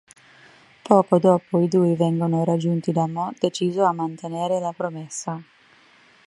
Poco dopo i due vengono raggiunti da Mo, deciso a mantenere la promessa.